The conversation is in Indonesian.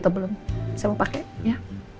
atau belum saya mau pakai ya